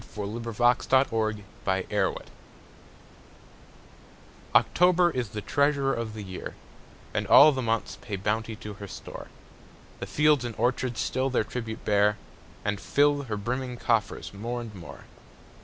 Paul Laurence Dunbar October OCTOBER is the treasurer of the year, And all the months pay bounty to her store: The fields and orchards still their tribute bear, And fill her brimming coffers more and more.